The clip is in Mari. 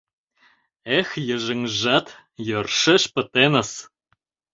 Эх, йыжыҥжат йӧршеш пытеныс.